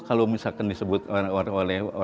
kalau misalkan disebut oleh